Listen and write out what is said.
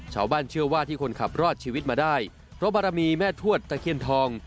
ชาวบ้านเชื่อว่าที่คนขับรอดชีวิตมาได้เพราะบารมีแม่ทวดตะเคียนทอง